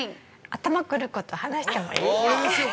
◆頭くること話してもいい？